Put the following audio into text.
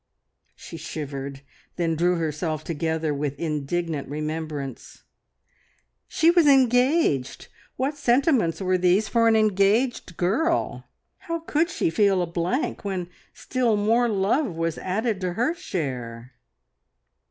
She shivered, then drew herself together with indignant remembrance. She was engaged! What sentiments were these for an engaged girl? How could she feel a blank when still more love was added to her share?